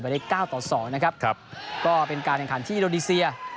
ได้เก้าต่อสองนะครับครับก็เป็นการแข่งขันที่อินโดนีเซีย